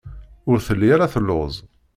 Ur telli ara telluẓ.